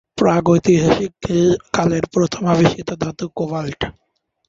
প্রাগৈতিহাসিক কালের প্রথম আবিষ্কৃত ধাতু কোবাল্ট।